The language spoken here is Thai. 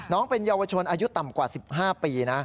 น้องเป็นเยาวชนอายุต่ำกว่า๑๕ปีนะ